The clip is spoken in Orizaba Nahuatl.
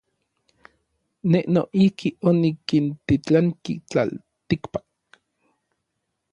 Nej noijki onikintitlanki tlaltikpak.